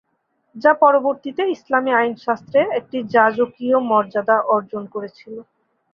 যা পরবর্তীতে ইসলামী আইনশাস্ত্রে একটি যাজকীয় মর্যাদা অর্জন করেছিল।